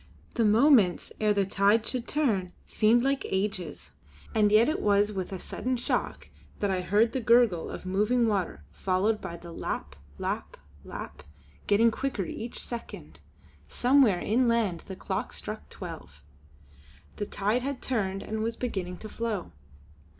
The moments ere the tide should turn seemed like ages; and yet it was with a sudden shock that I heard the gurgle of moving water followed by the lap, lap, lap, getting quicker each second. Somewhere inland a clock struck twelve. The tide had turned and was beginning to flow.